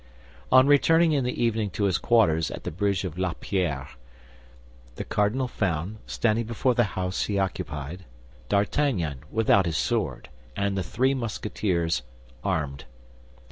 On returning in the evening to his quarters at the bridge of La Pierre, the cardinal found, standing before the house he occupied, D'Artagnan, without his sword, and the three Musketeers armed.